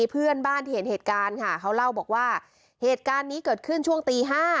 เพื่อนบ้านที่เห็นเหตุการณ์ค่ะเขาเล่าบอกว่าเหตุการณ์นี้เกิดขึ้นช่วงตี๕